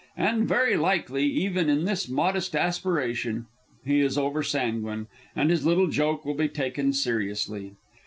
And very likely, even in this modest aspiration, he is over sanguine, and his little joke will be taken seriously.